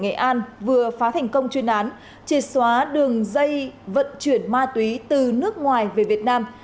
nghệ an vừa phá thành công chuyên án triệt xóa đường dây vận chuyển ma túy từ nước ngoài về việt nam